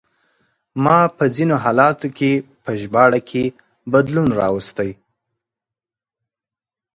ما په ځینو حالتونو کې په ژباړه کې بدلون راوستی.